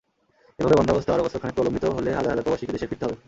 এভাবে মন্দাবস্থা আরও বছরখানেক প্রলম্বিত হলে হাজার হাজার প্রবাসীকে দেশে ফিরতে হবে।